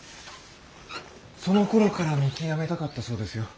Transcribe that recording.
そのころから見極めたかったそうですよ。